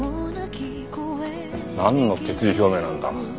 なんの決意表明なんだ。